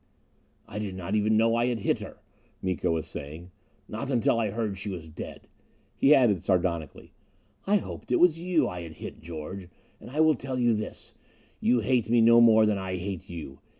"I did not even know I had hit her," Miko was saying. "Not until I heard she was dead." He added sardonically, "I hoped it was you I had hit, George. And I will tell you this: You hate me no more than I hate you.